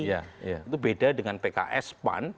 itu beda dengan pks pan